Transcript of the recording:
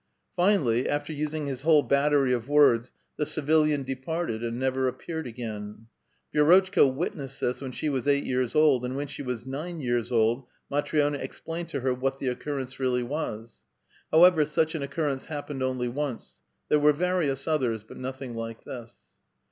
Finally, after using his whole battery of words, the civil ian departed, and never appeared again. Vi^rotchka wit nessed this when she was eight years old, and when she was nine years old, Matri6na explained to her what the occur rence realh* was. However, such an occurrence happened only once ; there were various othei*s, but nothing like this.